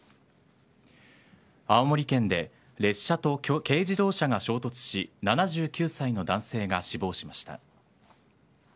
青森県で列車と軽自動車が衝突し７９歳の男性が死亡しました。